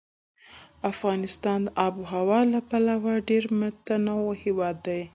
افغانستان د آب وهوا له پلوه ډېر متنوع هېواد دی.